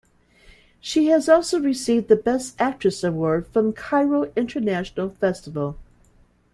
She has also received the Best Actress Award from Cairo International Festival.